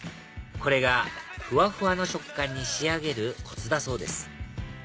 これがふわふわの食感に仕上げるコツだそうです